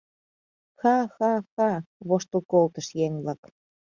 — Ха-ха-ха! — воштыл колтышт еҥ-влак.